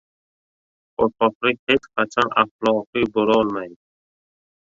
Qo‘rqoqlik hech qachon axloqiy bo‘lolmaydi.